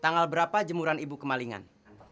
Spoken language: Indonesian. tanggal berapa jemuran ibu kemalingan